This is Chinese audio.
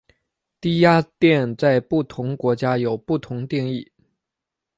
低压电在不同国家有不同定义。